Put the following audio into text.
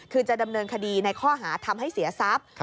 คือจะดำเนินคดีในข้อหาทำให้เสียทรัพย์